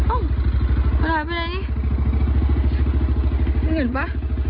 อ้าวมาถ่ายไปไหนนี้ไม่เห็นป่ะ